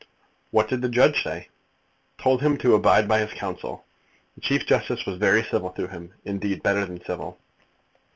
"What did the judge say?" "Told him to abide by his counsel. The Chief Justice was very civil to him, indeed better than civil."